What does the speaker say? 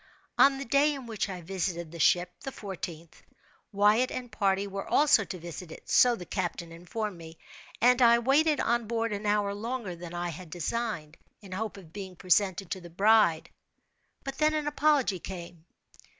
On the day in which I visited the ship (the fourteenth), Wyatt and party were also to visit it—so the captain informed me—and I waited on board an hour longer than I had designed, in hope of being presented to the bride, but then an apology came.